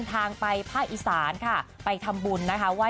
นี่ไงข้างหลังเค้าอะ